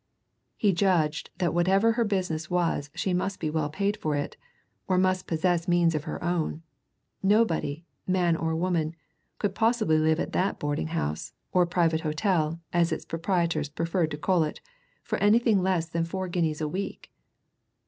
He judged that whatever her business was she must be well paid for it, or must possess means of her own; nobody, man or woman, could possibly live at that boarding house, or private hotel, as its proprietors preferred to call it, for anything less than four guineas a week.